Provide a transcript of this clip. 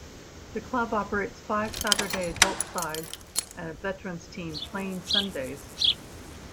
The club operates five Saturday adult sides and a Veterans team, playing Sundays.